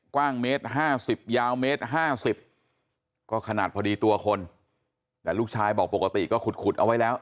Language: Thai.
กว้างเมตร๕๐ยาวเมตร๕๐ก็ขนาดพอดีตัวคนแต่ลูกชายบอกปกติก็ขุดเอาไว้แล้ว